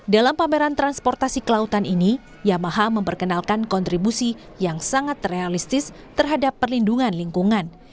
dalam pameran transportasi kelautan ini yamaha memperkenalkan kontribusi yang sangat realistis terhadap perlindungan lingkungan